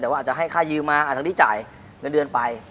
แต่ว่าอาจจะให้ค่ายืมมาอาจจะได้จ่ายเงินเดือนไป